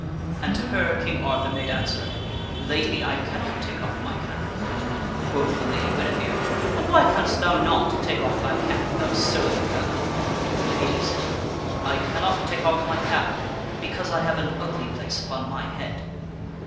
And to her King Arthur made answer: " Lady, I cannot take off my cap." Quoth the Lady Guinevere :" And why canst thou not take off thy cap, thou surly fellow ?"" Lady," said he, " I cannot take off my cap, because I have an ugly place upon my head."